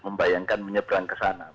membayangkan menyeberang ke sana